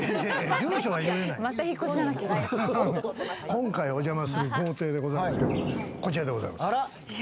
今回お邪魔する豪邸ですけれども、こちらでございます。